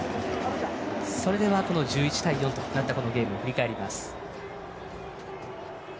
それでは１１対４となったこのゲームを振り返ります。